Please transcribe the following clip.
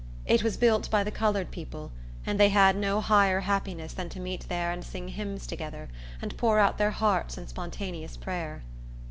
It was built by the colored people, and they had no higher happiness than to meet there and sing hymns together, and pour out their hearts in spontaneous prayer.